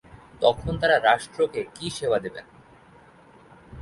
তখন তাঁরা রাষ্ট্রকে কি সেবা দেবেন?